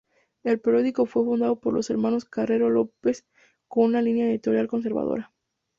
El periódico fue fundado por los hermanos Carreño López, con una línea editorial conservadora.